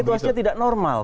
situasinya tidak normal